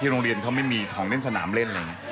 ที่โรงเรียนเขาไม่มีของเล่นสนามเล่น